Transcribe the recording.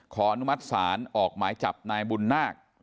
อนุมัติศาลออกหมายจับนายบุญนาค